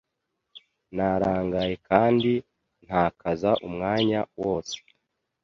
Narangaye kandi ntakaza umwanya wose.